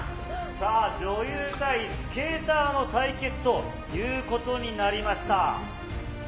女優対スケーターの対決ということになりました。